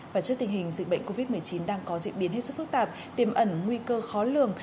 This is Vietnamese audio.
và trước tình hình dịch bệnh covid một mươi chín đang có diễn biến hết sức phức tạp tiềm ẩn nguy cơ khó lường